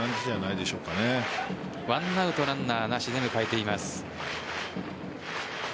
１アウトランナーなしで迎えています。